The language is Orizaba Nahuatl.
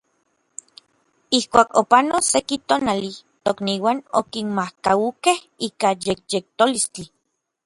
Ijkuak opanok seki tonali, tokniuan okinmaakaukej ika yekyetolistli.